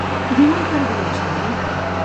Diuen que ara viu a Sedaví.